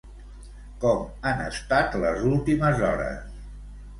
Com han estat les últimes hores?